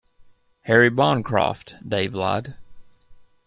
Harry Bancroft, Dave lied.